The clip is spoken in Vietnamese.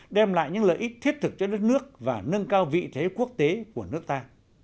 đem lại những lợi ích thiết thực cho đất nước và nâng cao vị thế quốc tế của nước ta